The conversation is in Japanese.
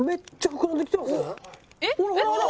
ほらほらほら！